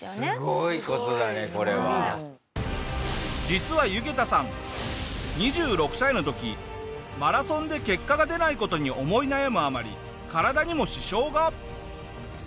実はユゲタさん２６歳の時マラソンで結果が出ない事に思い悩むあまり体にも支障が。